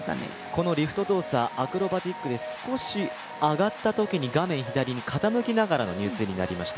このリフト動作アクロバティックで少し、上がったときに画面左に傾きながらの入水になりました。